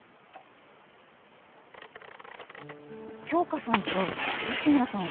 杏花さんと東村さん